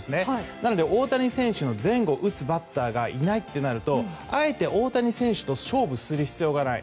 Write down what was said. なので、大谷選手の前後を打つバッターがいないとなるとあえて大谷選手と勝負する必要がない。